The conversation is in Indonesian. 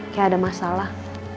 kayak ada masalah